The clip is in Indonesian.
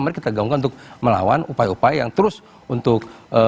mari kita gaungkan untuk melawan upaya upaya yang terus untuk